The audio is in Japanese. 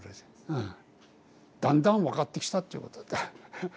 うん。だんだん分かってきたっていうことだ。